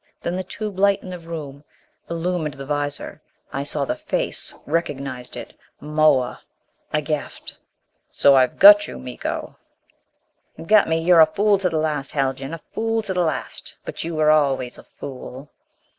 Then the tube light in the room illumined the visor. I saw the face, recognized it. Moa! I gasped, "So I've got you Miko " "Got me! You're a fool to the last, Haljan! A fool to the last! But you were always a fool."